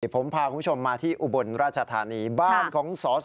ผมพาคุณผู้ชมมาที่อุบลราชธานีบ้านของสส